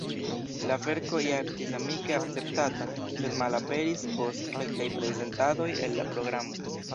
La verko ja estis amike akceptata, sed malaperis post kelkaj prezentadoj el la programo.